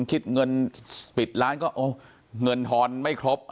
คิดเงินปิดร้านก็เงินทอนไม่ครบ